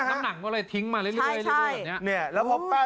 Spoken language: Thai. น้ำหนังว่ะเลยทิ้งมาเรื่อยใช่ใช่